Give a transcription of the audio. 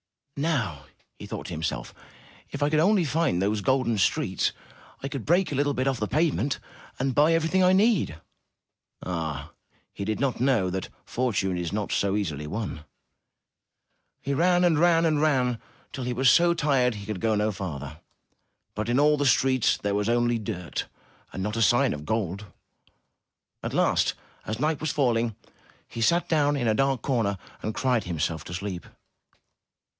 '*Now,'* he thought to himself, '*if I could only find those golden streets, I could break a little bit 330 UP ONE PAIR OF STAIRS off the pavement, and buy everything I need.*' Ah! he did not yet know that fortune is not so easily won! He ran and ran and ran till he was so tired he could go no farther, but in all the streets there was only dirt and not a sign of gold. At last, as night was falling, he sat down in a dark corner, and cried himself to sleep.